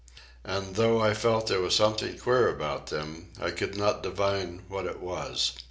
And though I felt there was something queer about them, I could not divine what it was.